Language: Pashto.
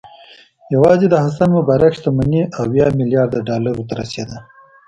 یوازې د حسن مبارک شتمني اویا میلیارده ډالرو ته رسېده.